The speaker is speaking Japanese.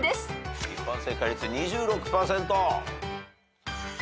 一般正解率２６％。